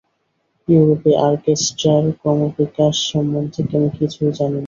ইউরোপে অর্কেষ্ট্রার ক্রমবিকাশ সম্বন্ধে আমি কিছু জানি না।